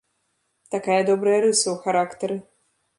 Такая добрая рыса ў характары.